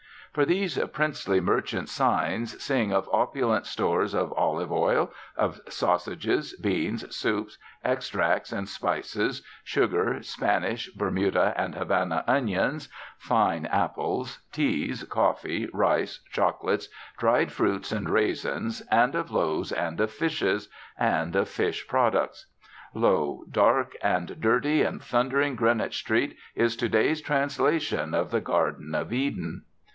For these princely merchants' signs sing of opulent stores of olive oil, of sausages, beans, soups, extracts, and spices, sugar, Spanish, Bermuda, and Havana onions, "fine" apples, teas, coffee, rice, chocolates, dried fruits and raisins, and of loaves and of fishes, and of "fish products." Lo! dark and dirty and thundering Greenwich Street is to day's translation of the Garden of Eden.